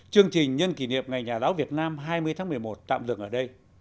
chương trình nhân kỷ niệm ngày nhà giáo việt nam hai mươi tháng một mươi một tạm dừng ở đây